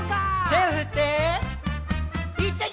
「手を振って」